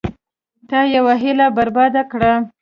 تا یوه هیله برباد کړه.